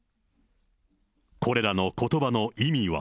これらのことばの意味は。